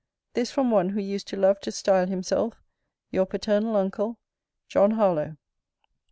This from one who used to love to style himself, Your paternal uncle, JOHN HARLOWE.